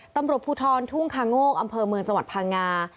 ตำรวจภูทรทุ่งคาโงกอำเภอเมืองจังหวัดพังงา